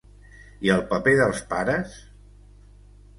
I el paper dels pares?